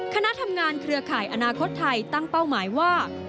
คณะทำงานเครือข่ายอนาคตไทยตั้งเป้าหมายว่า